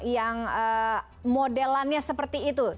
yang modelannya seperti itu